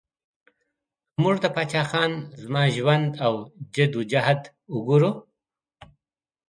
که موږ د پاچا خان زما ژوند او جد او جهد وګورو